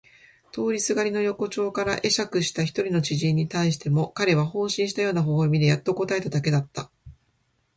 通りすがりに横町から会釈えしゃくした一人の知人に対しても彼は放心したような微笑でやっと答えただけだった。